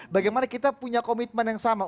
bagaimana kita punya komitmen yang sama